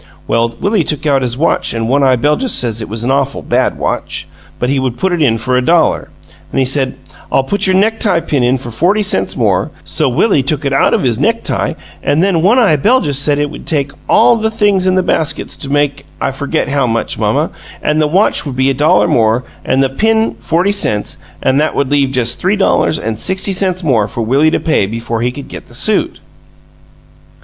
Well, Willie took out his watch an' One eye Beljus said it was an awful bad watch, but he would put it in for a dollar; an' he said, 'I'll put your necktie pin in for forty cents more,' so Willie took it out of his necktie an' then One eye Beljus said it would take all the things in the baskets to make I forget how much, mamma, an' the watch would be a dollar more, an' the pin forty cents, an' that would leave just three dollars an' sixty cents more for Willie to pay before he could get the suit."